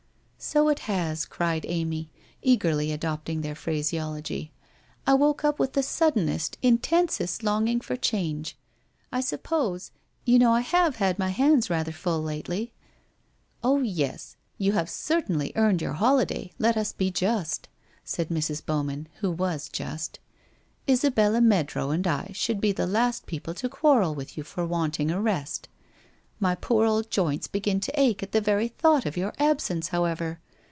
' So it has,' cried Amy, eagerly adopting their phrase ology. ' I woke up with the suddenest, intensest longing for change. I suppose — you know I have had my hands rather full lately.' ' Oh, yes, you have certainly earned your holiday ; let us be just,' said Mrs. Bowman, who was just. * Isabella Meadrow and I should be the last people to quarrel with you for wanting a rest. My poor old joints begin to ache at the very thought of your absence, however.